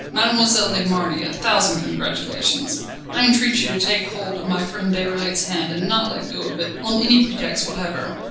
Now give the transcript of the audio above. Mademoiselle de Marny, a thousand congratulations. I entreat you to take hold of my friend Déroulède's hand, and not to let go of it, on any pretext whatever.